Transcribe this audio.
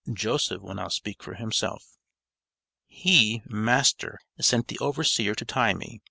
Joseph will now speak for himself. "He (master) sent the overseer to tie me.